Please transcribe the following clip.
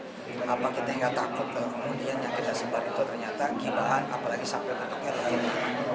kenapa kita tidak takut kemudian yang kita sebar itu ternyata kibahan apalagi sampai untuk hari ini